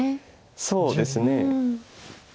そうですね。